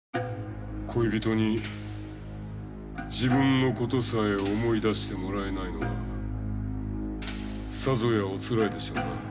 恋人に自分のことさえ思い出してもらえないのはさぞやおつらいでしょうな。